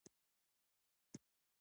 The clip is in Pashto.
شېخ متي عارف، عالم او اديب سړی وو.